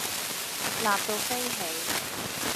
辣到飛起